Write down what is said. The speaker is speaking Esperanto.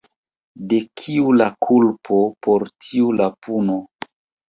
De kiu la kulpo, por tiu la puno.